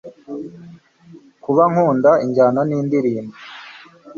kuba nkunda injyana nindirimbo